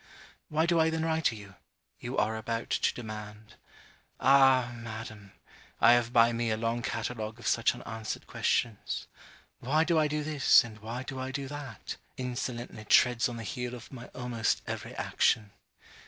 'Why do I then write to you?' you are about to demand Ah! madam: I have by me a long catalogue of such unanswered questions Why do I do this? and why do I do that? insolently treads on the heel of my almost every action.